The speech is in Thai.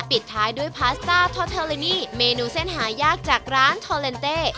ปิดท้ายด้วยพาสต้าทอเทอลินีเมนูเส้นหายากจากร้านทอเลนเต้